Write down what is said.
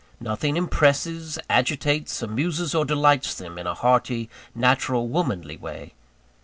Nothing impresses, agitates, amuses, or delights them in a hearty, natural, womanly way.